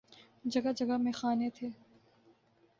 جگہ جگہ میخانے تھے۔